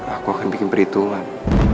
aku akan bikin perhitungan